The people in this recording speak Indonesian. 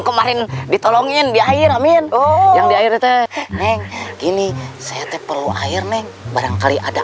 kemarin ditolongin di air amin oh yang di air teh neng gini saya perlu air nih barangkali ada